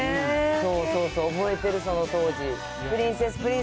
そうそうそう、覚えてる、その当時。